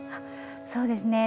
そうですね